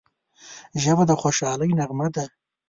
ژبه د خوشحالۍ نغمه ده